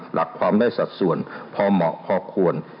หลักความได้สัดส่วนพอเหมาะพอควร